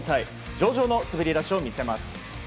上々の滑り出しを見せます。